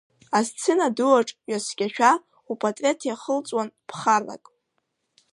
Асцена дуаҿ, ҩаскьашәа, упатреҭ иахылҵуан ԥхарак.